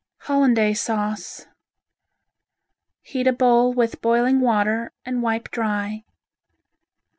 Hollandaise Sauce Heat a bowl with boiling water, and wipe dry.